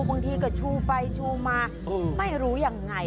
บางทีก็ชูไปชูมาไม่รู้ยังไง